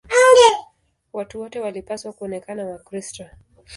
Watu wote walipaswa kuonekana Wakristo.